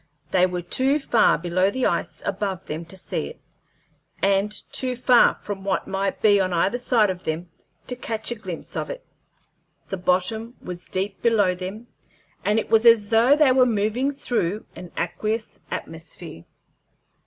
They were too far below the ice above them to see it, and too far from what might be on either side of them to catch a glimpse of it. The bottom was deep below them, and it was as though they were moving through an aqueous atmosphere.